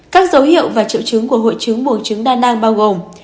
các dấu hiệu và triệu trứng của hội trứng bùng trứng đa nang bao gồm